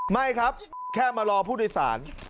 ไม่ครับแค่มารอผู้โดยสาร